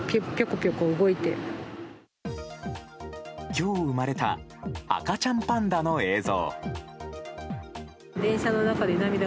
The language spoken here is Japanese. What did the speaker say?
今日生まれた赤ちゃんパンダの映像。